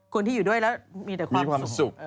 คนที่อยู่ด้วยแล้วมีแต่ความสุข